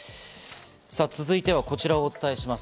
さあ続いてはこちらをお伝えします。